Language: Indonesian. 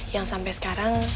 yang sampe sekarang